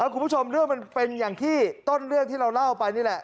คุณผู้ชมเรื่องมันเป็นอย่างที่ต้นเรื่องที่เราเล่าไปนี่แหละ